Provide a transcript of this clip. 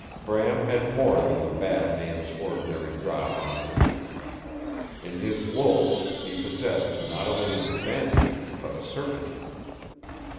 Bram had more than the bad man's ordinary drop on him. In his wolves he possessed not only an advantage but a certainty.